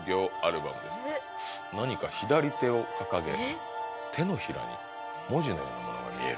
何か左手を掲げ手のひらに文字のようなものが見える。